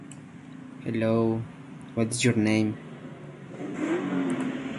There are no settlements between Coober Pedy and Laverton.